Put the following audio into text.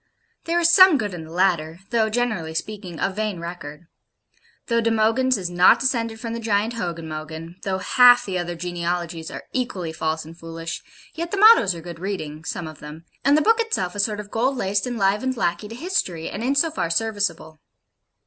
There is some good in the latter though, generally speaking, a vain record: though De Mogyns is not descended from the giant Hogyn Mogyn; though half the other genealogies are equally false and foolish; yet the mottoes are good reading some of them; and the book itself a sort of gold laced and livened lackey to History, and in so far serviceable.